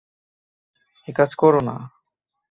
একাজ কোরো না।